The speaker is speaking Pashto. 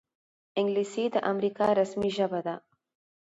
انګلیسي د امریکا رسمي ژبه ده